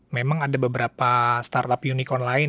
memang ada beberapa startup unicorn lain